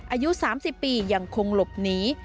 อายุ๓๐ปียังคงหลบหนี